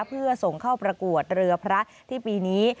เพื่อส่งเข้าประกวดเรือพระที่ปีนี้